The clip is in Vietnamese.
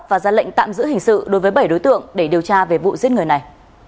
và ra lệnh tạm giữ hình sự đối với bảy đối tượng để điều tra về vụ giết người này